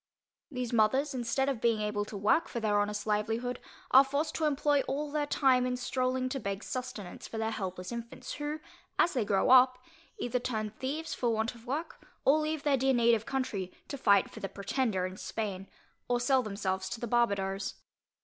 These mothers, instead of being able to work for their honest livelihood, are forced to employ all their time in stroling to beg sustenance for their helpless infants who, as they grow up, either turn thieves for want of work, or leave their dear native country, to fight for the Pretender in Spain, or sell themselves to the Barbadoes.